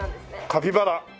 カピバラ？